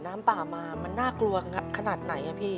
น้ำป่ามามันน่ากลัวขนาดไหนพี่